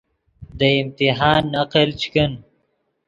دے امتحان نقل چے کن